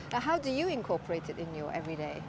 bagaimana kamu menggabungkannya dalam gaya hidup sehari hari